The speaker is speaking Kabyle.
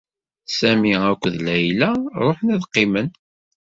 Sami akked Layla ruḥen ad qqimen.